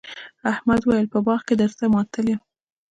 احمد وويل: په باغ کې درته ماتل یم.